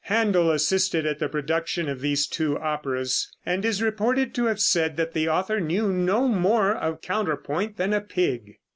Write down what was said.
Händel assisted at the production of these two operas, and is reported to have said that the author knew no more of counterpoint than a pig.